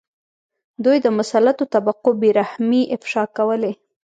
دوی د مسلطو طبقو بې رحمۍ افشا کولې.